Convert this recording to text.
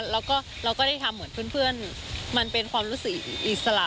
แล้วก็เราก็ได้ทำเหมือนเพื่อนมันเป็นความรู้สึกอิสระ